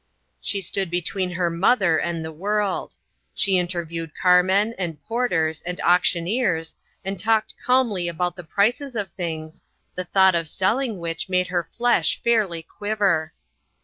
She stood between her mother and the world. She interviewed carmen, and porters, and auction 38 INTERRUPTED. eers, and talked calmly about the prices of things, the thought of selling which made her flesh fairly quiver.